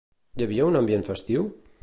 Hi havia un ambient festiu?